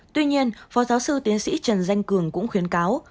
tuy nhiên phó giáo sư tiến sĩ trần danh cường cũng khuyến cáo